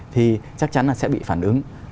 thì chắc chắn là sẽ bị phản ứng